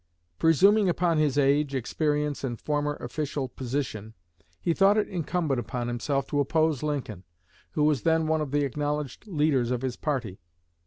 Presuming upon his age, experience, and former official position, he thought it incumbent upon himself to oppose Lincoln, who was then one of the acknowledged leaders of his party.